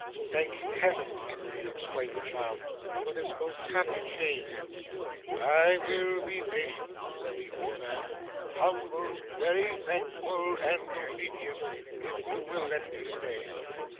'Thank Heaven!' inwardly exclaimed the child, 'for this most happy change!' 'I will be patient,' said the old man, 'humble, very thankful, and obedient, if you will let me stay.